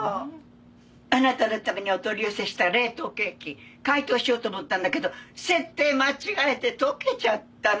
あなたのためにお取り寄せした冷凍ケーキ解凍しようと思ったんだけど設定間違えて溶けちゃったの。